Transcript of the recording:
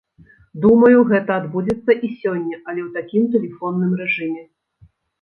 Думаю, гэта адбудзецца і сёння, але ў такім тэлефонным рэжыме.